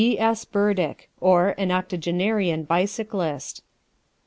D. S. BURDICK; OR, AN OCTOGENARIAN BICYCLIST.